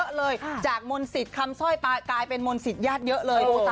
เยอะเลยจากมนศิษย์คำสร้อยกลายเป็นมนศิษย์ยาดเยอะเลย